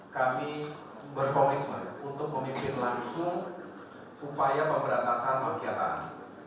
kami berkomitmen untuk memimpin langsung upaya pemberantasan kegiatan